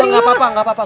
udah gak apa apa